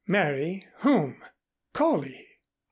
"Marry whom?" "Coley."